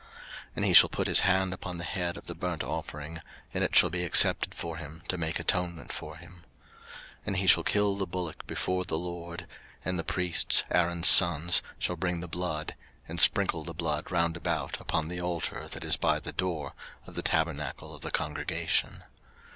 03:001:004 And he shall put his hand upon the head of the burnt offering; and it shall be accepted for him to make atonement for him. 03:001:005 And he shall kill the bullock before the LORD: and the priests, Aaron's sons, shall bring the blood, and sprinkle the blood round about upon the altar that is by the door of the tabernacle of the congregation.